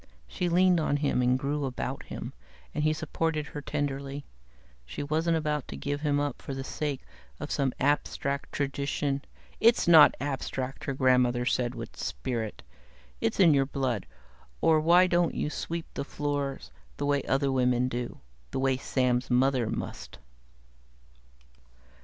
She leaned on him and grew about him, and he supported her tenderly. She wasn't going to give him up for the sake of some abstract tradition " it's not abstract," her grandmother said with spirit. "It's in your blood. Or why don't you sweep the floors the way other women do? The way Sam's mother must?"